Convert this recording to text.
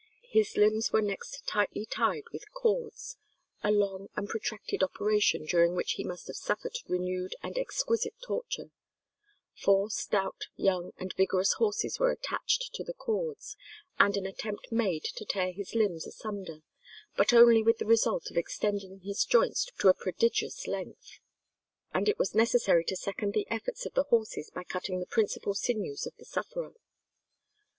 His limbs were next tightly tied with cords, a long and protracted operation, during which he must have suffered renewed and exquisite torture; four stout, young, and vigorous horses were attached to the cords, and an attempt made to tear his limbs asunder, but only with the result of "extending his joints to a prodigious length," and it was necessary to second the efforts of the horses by cutting the principal sinews of the sufferer.